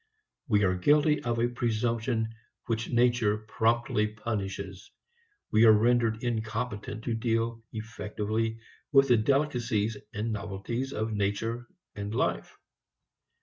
We are guilty of a presumption which nature promptly punishes. We are rendered incompetent to deal effectively with the delicacies and novelties of nature and life.